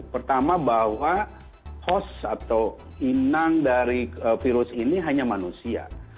pertama bahwa host atau inang dari virus ini hanya manusia